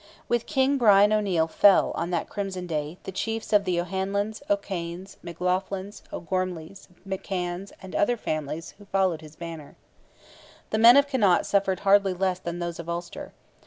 With King Brian O'Neil fell, on that crimson day, the chiefs of the O'Hanlons, O'Kanes, McLaughlins, O'Gormlys, McCanns, and other families who followed his banner. The men of Connaught suffered hardly less than those of Ulster.